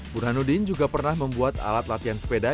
burhanuddin juga pernah membuat alat latihan sepeda